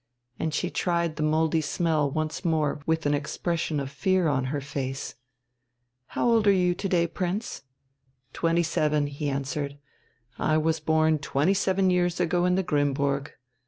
And she tried the mouldy smell once more with an expression of fear on her face. "How old are you to day, Prince?" "Twenty seven," he answered. "I was born twenty seven years ago in the Grimmburg.